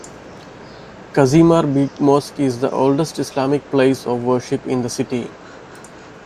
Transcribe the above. Kazimar Big Mosque is the oldest Islamic place of worship in the city.